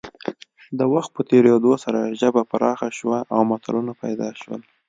د وخت په تېرېدو سره ژبه پراخه شوه او متلونه پیدا شول